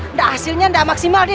nggak hasilnya nggak maksimal